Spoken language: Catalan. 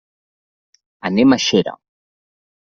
Anem a Xera.